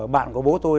bạn của bố tôi